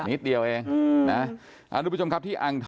นิดเดียวเองนะ